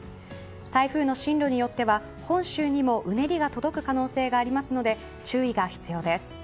台風の進路によっては本州にもうねりが届く可能性がありますので注意が必要です。